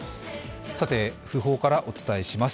訃報からお伝えします。